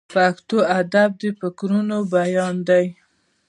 پښتو ادب د فکرونو بیان دی.